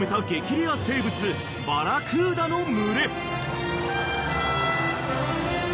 レア生物バラクーダの群れ］